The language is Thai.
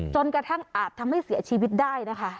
กระทั่งอาจทำให้เสียชีวิตได้นะคะ